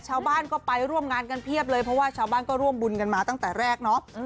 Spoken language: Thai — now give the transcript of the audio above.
ชาวบ้านก็ไปร่วมงานกันเพียบเลยเพราะว่าชาวบ้านก็ร่วมบุญกันมาตั้งแต่แรกเนาะ